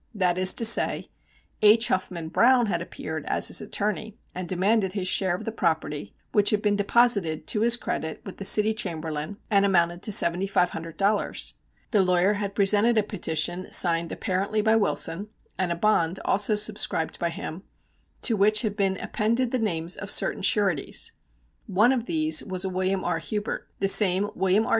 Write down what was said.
That is to say, H. Huffman Browne had appeared as his attorney, and demanded his share of the property which had been deposited to his credit with the City Chamberlain and amounted to seventy five hundred dollars. The lawyer had presented a petition signed apparently by Wilson and a bond also subscribed by him, to which had been appended the names of certain sureties. One of these was a William R. Hubert the same William R.